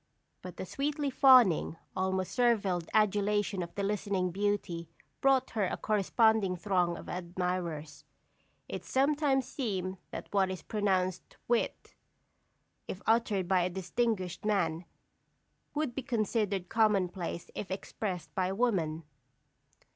But the sweetly fawning, almost servile adulation of the listening beauty brought her a corresponding throng of admirers. It sometimes seems that what is pronounced wit, if uttered by a distinguished man, would be considered commonplace if expressed by a woman.